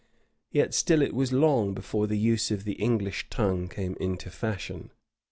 Yet still it was long before the use of the English tongue came into fashion.